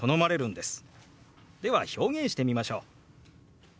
では表現してみましょう。